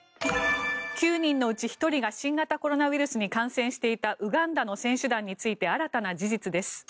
９人のうち１人が新型コロナウイルスに感染していたウガンダの選手団について新たな事実です。